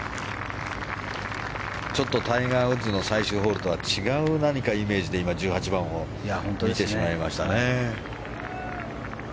ちょっとタイガー・ウッズの最終ホールとは違う何かイメージで１８番を見てしまいましたね。